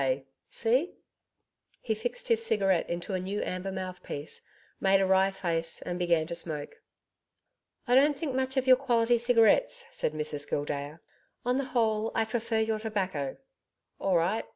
K. See?' He fixed his cigarette into a new amber mouthpiece, made a wry face, and began to smoke. 'I don't think much of your quality of cigarettes,' said Mrs Gildea. 'On the whole, I prefer your tobacco.' 'All right.